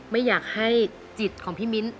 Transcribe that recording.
ไม่อยากให้จิตของพี่มิ้นท